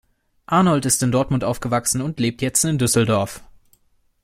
Arnold ist in Dortmund aufgewachsen und lebt jetzt in Düsseldorf.